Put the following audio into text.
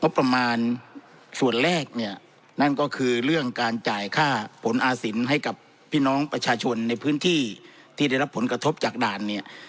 ประมาณส่วนแรกเนี่ยนั่นก็คือเรื่องการจ่ายค่าผลอาสินให้กับพี่น้องประชาชนในพื้นที่ที่ได้รับผลกระทบจากด่านเนี่ย